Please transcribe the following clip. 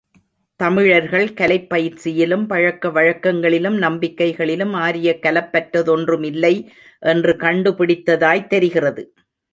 தமிழர்கள் கலைப் பயிற்சியிலும் பழக்க வழக்கங்களிலும், நம்பிக்கைகளிலும், ஆரியக் கலப்பற்றதொன்றுமில்லை என்று கண்டுபிடித்ததாய்த் தெரிகிறது.